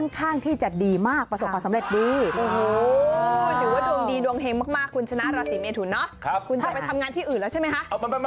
คุณจะไปทำงานที่อื่นแล้วใช่มั้ยคะ